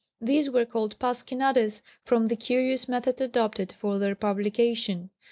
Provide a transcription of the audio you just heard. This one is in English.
These were called Pasquinades, from the curious method adopted for their publication.